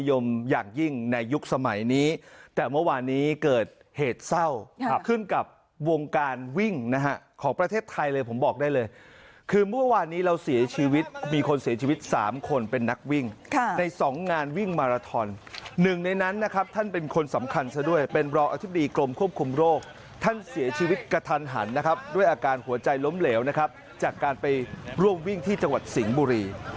จากการไปร่วมวิ่งที่จังหวัดสิงห์บุรี